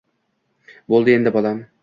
Bo‘ldi endi, bolam!